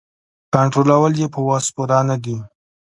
کنټرولول یې په وس پوره نه دي.